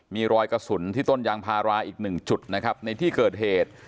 มีรอยกระสุนที่ต้นยางพาราอีกหนึ่งจุดนะครับในที่เกิดเหตุ